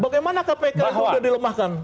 bagaimana kpk sudah dilemahkan